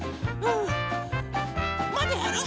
まだやる？